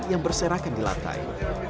yang berserakan di lantai